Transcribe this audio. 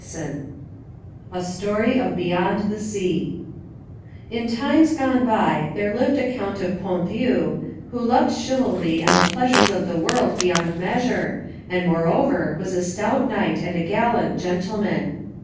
XVI A STORY OF BEYOND THE SEA In times gone by there lived a Count of Ponthieu, who loved chivalry and the pleasures of the world beyond measure, and moreover was a stout knight and a gallant gentleman.